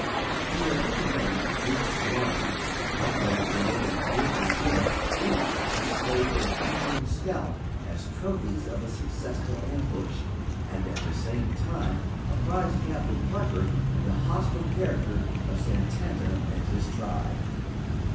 When the three men reached Larned, Buffalo Bill and Denver Jim each displayed an Indian scalp as trophies of a successful ambush, and at the same time apprised Captain Parker of the hostile character of Santanta and his tribe.